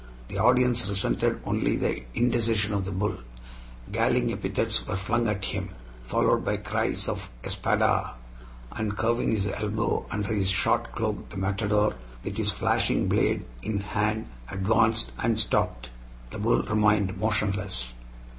The audience resented only the indecision of the bull. Galling epithets were flung at him, followed by cries of "ESPADA!" and, curving his elbow under his short cloak, the matador, with his flashing blade in hand, advanced and stopped. The bull remained motionless.